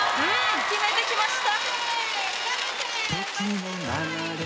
決めてきました！